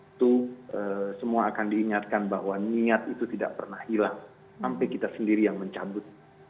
itu semua akan diingatkan bahwa niat itu tidak pernah hilang sampai kita sendiri yang mencabut